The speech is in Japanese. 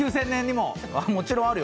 もちろんあるよ。